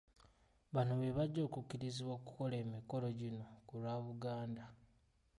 Bano be bajja okukkirizibwa okukola emikolo gino ku lwa Buganda.